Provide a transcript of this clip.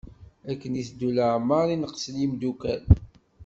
Akken iteddu leɛmer i neqqsen yemdukal.